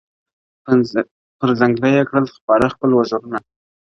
پر ځنګله یې کړل خپاره خپل وزرونه -